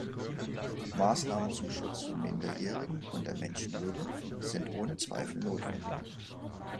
Maßnahmen zum Schutz von Minderjährigen und der Menschenwürde sind ohne Zweifel notwendig.